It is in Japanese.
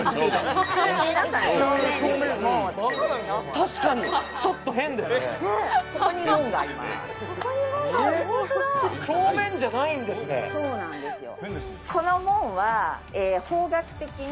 確かに、ちょっと変ですね